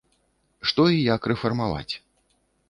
Што і як рэфармаваць?